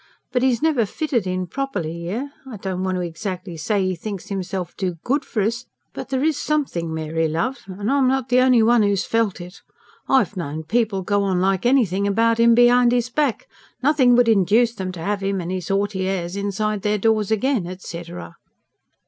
But 'e's never fitted in properly here I don't want to exactly say 'e thinks 'imself too good for us; but there is something, Mary love, and I'm not the only one who's felt it. I've known people go on like anything about 'im behind 'is back: nothing would induce them to have 'im and 'is haughty airs inside their doors again, etcetera."